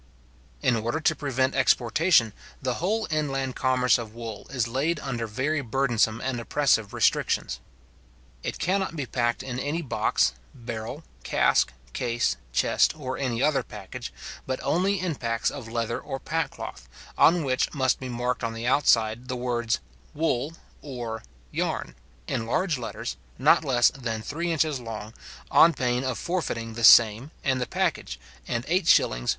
In order to prevent exportation, the whole inland commerce of wool is laid under very burdensome and oppressive restrictions. It cannot be packed in any box, barrel, cask, case, chest, or any other package, but only in packs of leather or pack cloth, on which must be marked on the outside the words WOOL or YARN, in large letters, not less than three inches long, on pain of forfeiting the same and the package, and 8s.